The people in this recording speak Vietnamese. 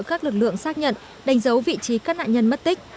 các lực lượng xác nhận đánh dấu vị trí các nạn nhân mất tích